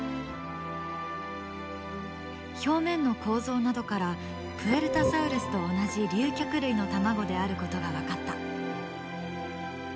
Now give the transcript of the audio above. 表面の構造などからプエルタサウルスと同じ竜脚類の卵であることが分かった。